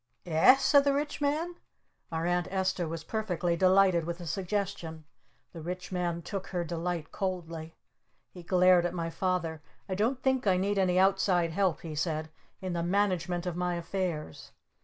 "Eh?" said the Rich Man. Our Aunt Esta was perfectly delighted with the suggestion. The Rich Man took her delight coldly. He glared at my Father. "I don't think I need any outside help," he said, "in the management of my affairs.